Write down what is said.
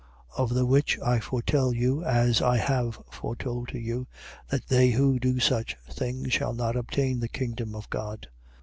Of the which I foretell you, as I have foretold to you, that they who do such things shall not obtain the kingdom of God.